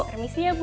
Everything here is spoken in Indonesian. permisi ya bu